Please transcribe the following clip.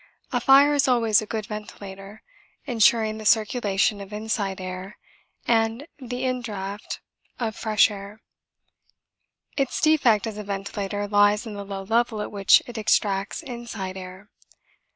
A fire is always a good ventilator, ensuring the circulation of inside air and the indraught of fresh air; its defect as a ventilator lies in the low level at which it extracts inside air.